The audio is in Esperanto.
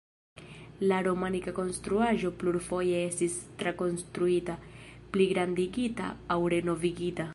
La romanika konstruaĵo plurfoje estis trakonstruita, pligrandigita aŭ renovigita.